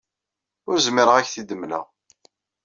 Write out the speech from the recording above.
Ur zmireɣ ad ak-t-id-mleɣ.